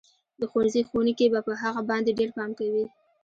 د ښوونځي ښوونکي به په هغه باندې ډېر پام کوي